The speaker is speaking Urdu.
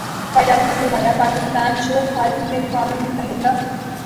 قائد اعظم نے فرمایا پاکستان جو حال ہی میں اقوام متحدہ